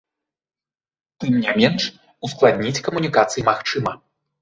Тым не менш, ускладніць камунікацыі магчыма.